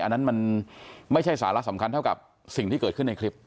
อันนั้นมันไม่ใช่สาระสำคัญเท่ากับสิ่งที่เกิดขึ้นในคลิป